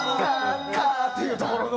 「か」っていうところの？